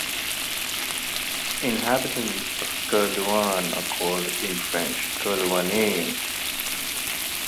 Inhabitants of Kerlouan are called in French "Kerlouanais".